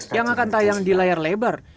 yang akan tayang di layar lebar